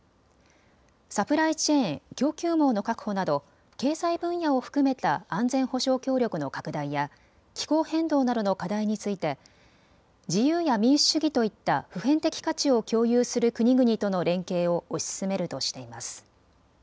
サプライチェーン・供給網の確保など経済分野を含めた安全保障協力の拡大や気候変動などの課題について自由や民主主義といった普遍的価値を共有する国々との連携を推し進めるとしています。